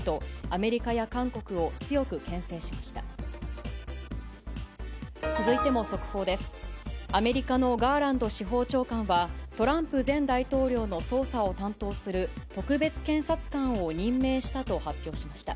アメリカのガーランド司法長官は、トランプ前大統領の捜査を担当する特別検察官を任命したと発表しました。